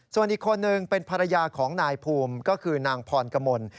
ส่วนอีกคนนึงเป็นภรรยาของนายภูมิก็คือนางพรกมล